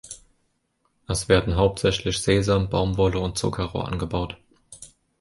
Es werden hauptsächlich Sesam, Baumwolle und Zuckerrohr angebaut.